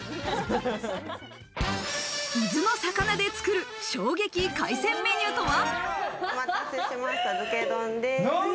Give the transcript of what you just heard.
伊豆の魚で作る衝撃海鮮メニューとは？